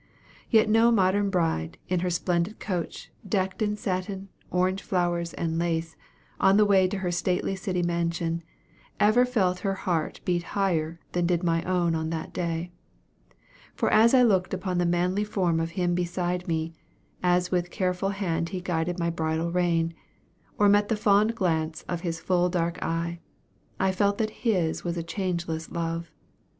Yet no modern bride, in her splendid coach, decked in satin, orange flowers, and lace on the way to her stately city mansion, ever felt her heart beat higher than did my own on that day. For as I looked upon the manly form of him beside me, as with careful hand he guided my bridal rein or met the fond glance of his full dark eye, I felt that his was a changeless love.